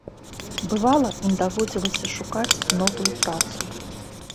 Бывала, ім даводзілася шукаць новую працу.